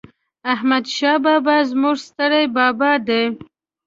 احمد شاه بابا ﺯموږ ستر بابا دي